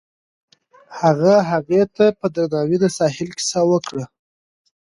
هغه هغې ته په درناوي د ساحل کیسه هم وکړه.